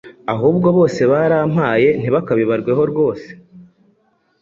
ahubwo bose barampanye ntibakabibarweho rwose